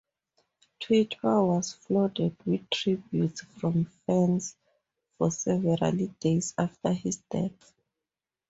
Twitter was flooded with tributes from fans for several days after his death.